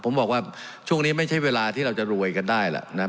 ผมบอกว่าช่วงนี้ไม่ใช่เวลาที่เราจะรวยกันได้ล่ะนะ